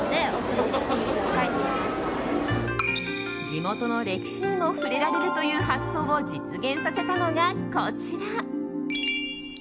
地元の歴史にも触れられるという発想を実現させたのが、こちら。